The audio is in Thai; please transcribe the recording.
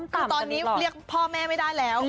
คือตอนนี้เรียกพ่อแม่ไม่ได้แล้ว